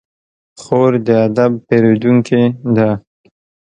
خور د ادب پېرودونکې ده.